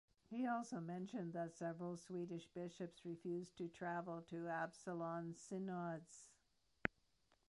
He also mentioned that several Swedish bishops refused to travel to Absalon's synods.